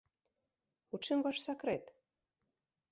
У чым ваш сакрэт?